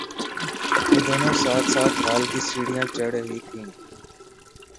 وہ دونوں ساتھ ساتھ ہال کی سٹر ھیاں چڑھ رہی تھیں